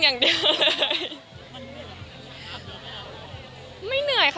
มันมีอะไรที่ทำตลอดเวลา